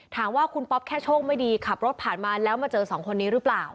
ถามว่าคุณป๊อปแค่โชคไม่ดีขับรถผ่านมาแล้วมาเจอสองคนนี้หรือเปล่า